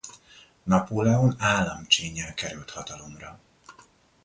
Napóleon államcsínnyel került hatalomra.